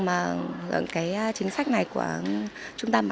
dẫn cái chính sách này của trung tâm